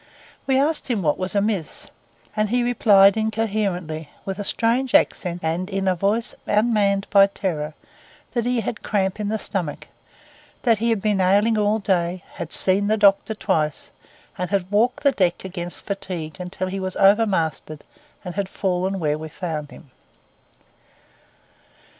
We asked him what was amiss, and he replied incoherently, with a strange accent and in a voice unmanned by terror, that he had cramp in the stomach, that he had been ailing all day, had seen the doctor twice, and had walked the deck against fatigue till he was overmastered and had fallen where we found him.